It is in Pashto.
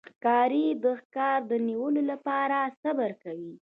ښکاري د ښکار د نیولو لپاره صبر کوي.